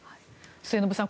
末延さん